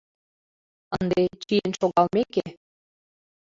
Ынде, чиен шогалмеке